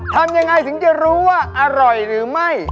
ทำยังไงถึงจะรู้ว่าอร่อยหรือไม่